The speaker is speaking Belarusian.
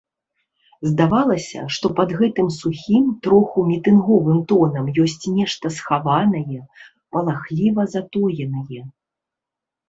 Здавалася, што пад гэтым сухім, троху мітынговым тонам ёсць нешта схаванае, палахліва затоенае.